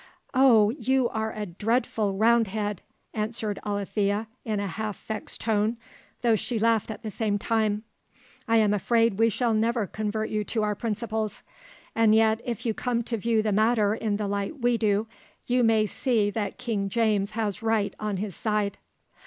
"Oh, you are a dreadful Roundhead!" answered Alethea, in a half vexed tone, though she laughed at the same time. "I am afraid we shall never convert you to our principles; and yet, if you come to view the matter in the light we do, you may see that King James has right on his side."